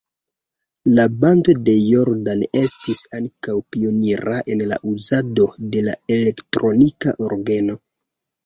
La bando de Jordan estis ankaŭ pionira en la uzado de la elektronika orgeno.